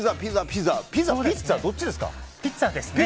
ピザ、ピッツァどっちですか？